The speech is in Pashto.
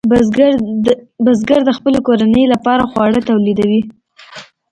بزګر د خپلې کورنۍ لپاره خواړه تولیدوي.